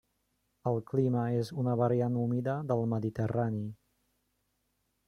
El clima és una variant humida del Mediterrani.